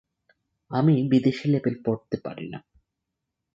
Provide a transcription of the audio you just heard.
আমি বিদেশী লেবেল পড়তে পারি না।